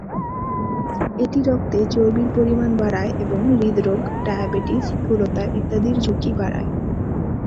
এটি রক্তে চর্বির পরিমাণ বাড়ায় এবং হূদেরাগ, ডায়াবেটিস, স্থূলতা ইত্যাদির ঝুঁকি বাড়ায়।